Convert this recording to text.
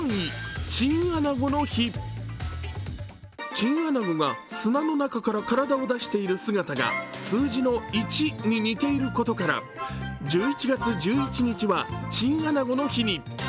チンアナゴが砂の中から体を出している姿が数字の１に似ていることから１１月１１日はチンアナゴの日に。